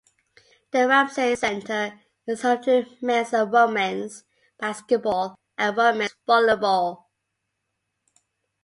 The Ramsey Center is home to men's and women's basketball, and women's volleyball.